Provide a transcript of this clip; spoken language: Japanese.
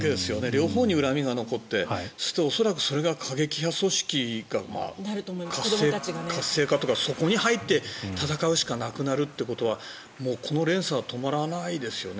両方に恨みが残って恐らくそれが過激派組織が活性化というかそこに入って戦うしかなくなるということはこの連鎖は止まらないですよね。